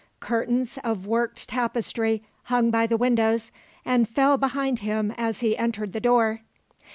Curtains of worked tapestry hung by the windows, and fell behind him as he entered the door.